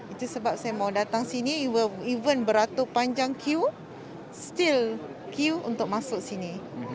itu sebab saya mau datang sini bahkan beratur panjang keju masih keju untuk masuk sini